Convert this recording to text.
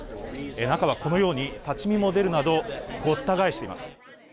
中はこのように立ち見も出るなど、ごった返しています。